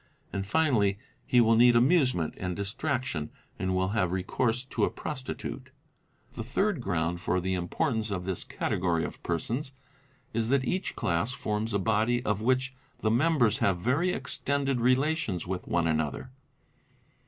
And finally he will need amusement and distraction and will have recourse to a prostitute. — The third ground for the importance of this category of persons is that ~ each class forms a body of which the members have very extended rela tions with one another.